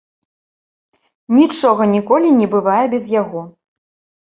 Нічога ніколі не бывае без яго!